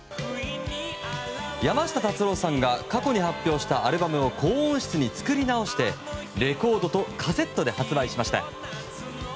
山下達郎さんが過去に発表したアルバムを高音質に作り直してレコードとカセットで発売しました。